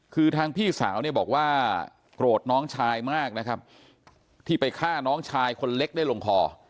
คือทางพี่สาวเนี่ยบอกว่าโกรธน้องชายมากนะครับที่ไปฆ่าน้องชายคนเล็กได้ลงคอ